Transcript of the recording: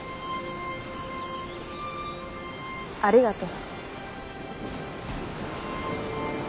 ありがとう。